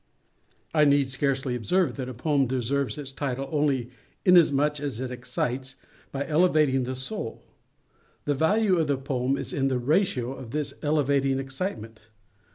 I need scarcely observe that a poem deserves its title only inasmuch as it excites, by elevating the soul. The value of the poem is in the ratio of this elevating excitement.